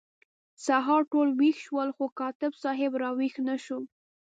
سهار ټول ویښ شول خو کاتب صاحب را ویښ نه شو.